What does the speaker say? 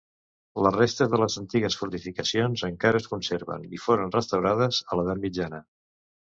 Les restes de les antigues fortificacions encara es conserven, i foren restaurades a l'edat mitjana.